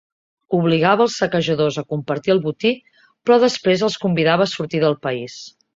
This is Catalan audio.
Obligava als saquejadors a compartir el botí però després el convidava a sortir del país.